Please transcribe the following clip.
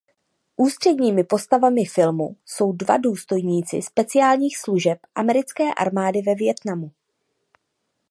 Ústředními postavami filmu jsou dva důstojníci speciálních služeb americké armády ve Vietnamu.